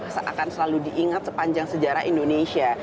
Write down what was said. itu akan selalu diingat sepanjang sejarah indonesia